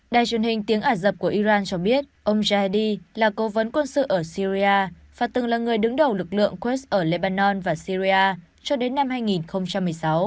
đài truyền hình tiếng ả rập của iran cho biết ông jaidi là cố vấn quân sự ở syria và từng là người đứng đầu lực lượng kres ở lebanon và syria cho đến năm hai nghìn một mươi sáu